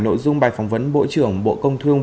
nội dung bài phỏng vấn bộ trưởng bộ công thương